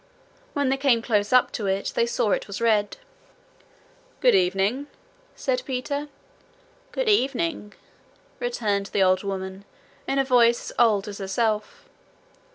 When they came close up to it, they saw it was red. 'Good evening!' said Peter. 'Good evening!' returned the old woman, in a voice as old as herself.